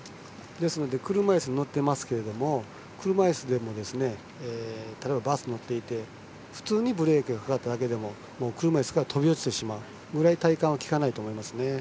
ですので車いすに乗っていますが車いすでも例えばバスに乗っていて普通にブレーキがかかっただけで車いすから飛び落ちてしまうくらい体幹はきかないと思いますね。